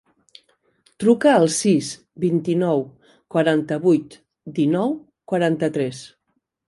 Truca al sis, vint-i-nou, quaranta-vuit, dinou, quaranta-tres.